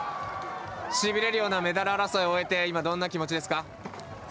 しびれるようなメダル争い終えて今、どんな気持ちですか？